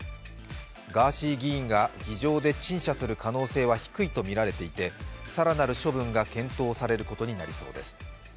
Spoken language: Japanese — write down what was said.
ガーシー議員が議場での陳謝する可能性は低いとみられていて更なる処分が検討されることになりそうです。